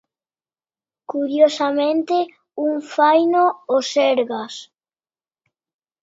Curiosamente, un faino o Sergas.